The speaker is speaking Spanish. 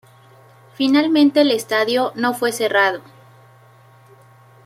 Finalmente el estadio no fue cerrado.